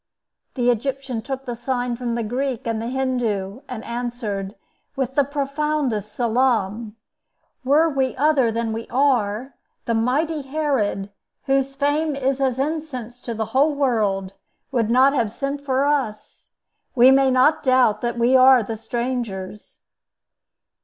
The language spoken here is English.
The Egyptian took the sign from the Greek and the Hindoo, and answered, with the profoundest salaam, "Were we other than we are, the mighty Herod, whose fame is as incense to the whole world, would not have sent for us. We may not doubt that we are the strangers."